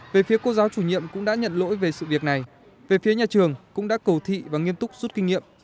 về phía cô giáo chủ nhiệm cũng đã nhận lỗi về sự việc này về phía nhà trường cũng đã cầu thị và nghiêm túc rút kinh nghiệm